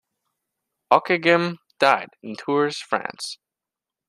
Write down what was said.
Ockeghem died in Tours, France.